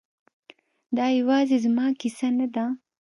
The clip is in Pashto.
دا یوازې زما کیسه نه ده